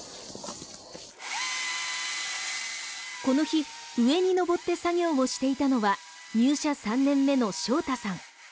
この日上に登って作業をしていたのは入社３年目の匠太さん。